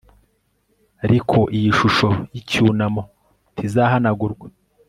riko iyi shusho yicyunamo ntizahanagurwa